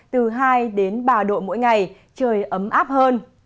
từ hai đến ba độ mỗi ngày trời ấm áp hơn